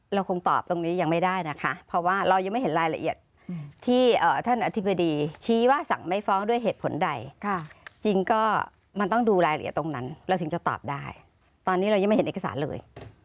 เราคงตอบตรงนี้ยังไม่ได้นะคะเพราะว่าเรายังไม่เห็นรายละเอียดที่ท่านอธิบดีชี้ว่าสั่งไม่ฟ้องด้วยเหตุผลใดจริงก็มันต้องดูรายละเอียดตรงนั้นเราถึงจะตอบได้ตอนนี้เรายังไม่เห็นเอกสารเลย